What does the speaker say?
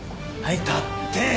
はい立って！